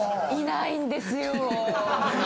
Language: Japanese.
いないんですよ！